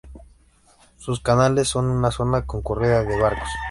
Sus canales son una zona concurrida de barcos.